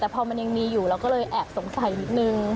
แต่พอมันยังมีอยู่เราก็เลยแอบสงสัยนิดนึง